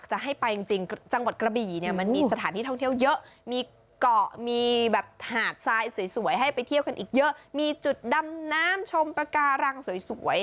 หาดซ้ายสวยให้ไปเที่ยวกันอีกเยอะมีจุดดำน้ำชมปราการรังสวย